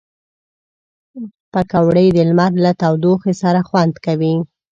پکورې د لمر له تودوخې سره خوند کوي